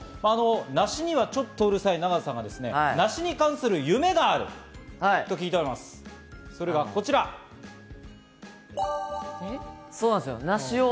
梨にはちょっとうるさい永瀬さんが梨に関する夢があるを聞いておそうなんですよ。